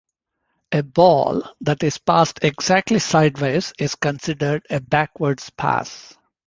A ball that is passed exactly sideways is considered a backwards pass.